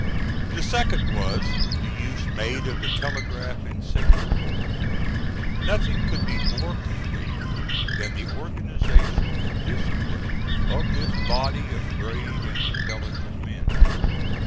The second was, the use made of the telegraph and signal corps. Nothing could be more complete than the organization and discipline of this body of brave and intelligent men.